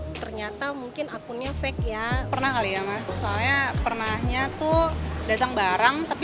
oh ternyata mungkin akunnya fake ya pernah kali ya mas soalnya pernahnya tuh datang barang tapi